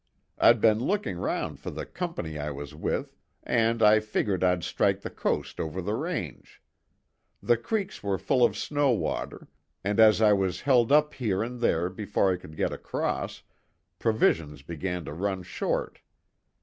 "I'd been looking round for the Company I was with, and I figured I'd strike the coast over the range. The creeks were full of snow water, and as I was held up here and there before I could get across, provisions began to run short.